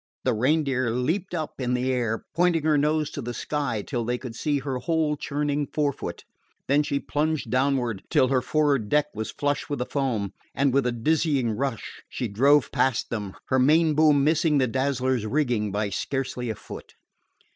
The Reindeer leaped up in the air, pointing her nose to the sky till they could see her whole churning forefoot; then she plunged downward till her for'ard deck was flush with the foam, and with a dizzying rush she drove past them, her main boom missing the Dazzler's rigging by scarcely a foot.